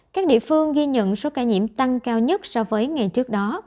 các địa phương ghi nhận số ca nhiễm tăng cao nhất so với ngày trước đó